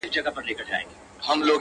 چي دې سترگو زما و زړه ته کړی پول دی;